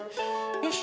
よし。